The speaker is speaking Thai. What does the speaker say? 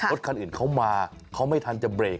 รถคันอื่นเขามาเขาไม่ทันจะเบรก